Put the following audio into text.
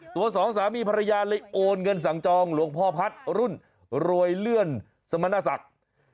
สองสามีภรรยาเลยโอนเงินสั่งจองหลวงพ่อพัฒน์รุ่นรวยเลื่อนสมณศักดิ์